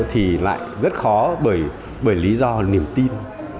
thì lại rất khó bởi lý do niềm tin